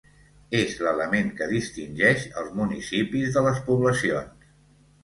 És l’element que distingeix els municipis de les poblacions.